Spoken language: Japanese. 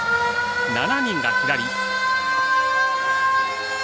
７人が左。